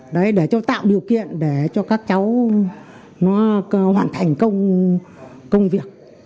đấy để cho tạo điều kiện để cho các cháu nó hoàn thành công việc